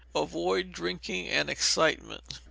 Avoid drinking and excitement.